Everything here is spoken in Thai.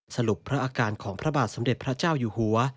พระอาการของพระบาทสมเด็จพระเจ้าอยู่หัว